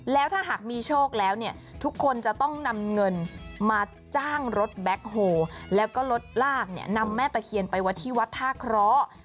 แล้วถ้าหากมีโชคแล้วเนี่ยทุกคนจะต้องนำเงินมาจ้างรถแบ็คโฮแล้วก็รถลากเนี่ยนำแม่ตะเคียนไปวัดที่วัดท่าเคราะห์